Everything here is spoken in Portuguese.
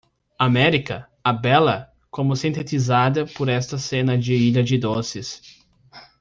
América?, a bela?, como sintetizada por esta cena de ilha de doces.